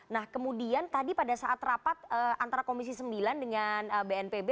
nah kemudian tadi pada saat rapat antara komisi sembilan dengan bnpb